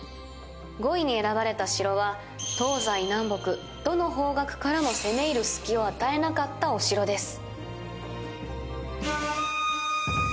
５位に選ばれた城は東西南北、どの方角からも攻め入る隙を与えなかったお城です。